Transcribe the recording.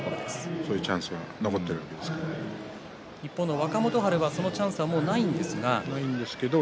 そういうチャンスも一方、若元春はそのチャンスはもうないんですけれども。